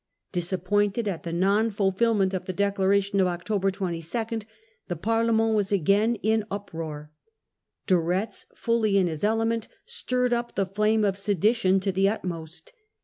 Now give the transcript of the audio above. Disappointed the court. at the non fulfilment of the Declaration of October 22 the Parlement were again in uproar. De Retz, fully in his element, stirred up the flame of sedition to the utmost.